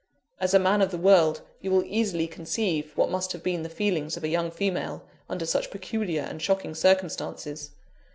As a man of the world, you will easily conceive what must have been the feelings of a young female, under such peculiar and shocking circumstances.